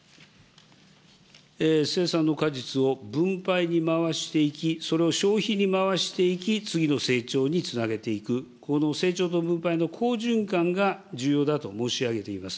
生産の果実を分配に回していき、それを消費に回していき、次の成長につなげていく、この成長と分配の好循環が重要だと申し上げています。